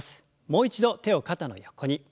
もう一度手を肩の横に。